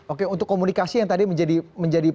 oke untuk komunikasi yang tadi menjadi